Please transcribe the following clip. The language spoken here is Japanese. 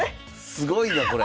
すごいなこれ。